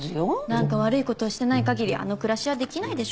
なんか悪い事をしてない限りあの暮らしはできないでしょう。